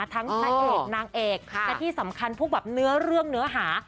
พระเอกนางเอกและที่สำคัญพวกแบบเนื้อเรื่องเนื้อหา